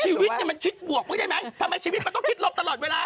ชีวิตเนี่ยมันคิดบวกไว้ได้ไหมทำไมชีวิตมันต้องคิดลบตลอดเวลา